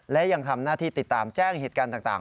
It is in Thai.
และยังทำหน้าที่ติดตามแจ้งเหตุการณ์ต่าง